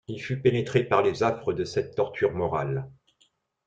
Il fut pénétré par les affres de cette torture morale.